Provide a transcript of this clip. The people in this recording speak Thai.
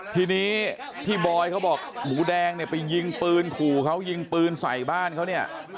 ทีนี้ที่บอยเขาบอกหมูแดงเนี่ยไปยิงปืนขู่เขายิงปืนใส่บ้านเขาเนี่ย